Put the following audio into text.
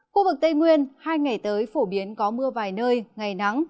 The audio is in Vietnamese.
khu vực tây nguyên hai ngày tới phổ biến có mưa vài nơi ngày nắng